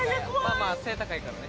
まあまあ背ぇ高いからね。